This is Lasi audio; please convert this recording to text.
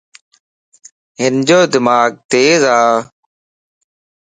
ھنجو دماغ تيز ا